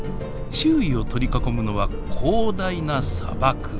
周囲を取り囲むのは広大な砂漠。